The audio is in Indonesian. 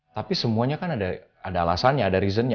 tapi semuanya kan ada alasannya ada reasonnya